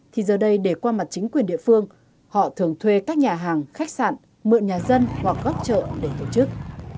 thì giờ đây để qua mặt chính quyền địa phương họ thường thuê các nhà hàng khách sạn mượn nhà dân hoặc góc chợ để tổ chức